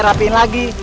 rapir lagi lalu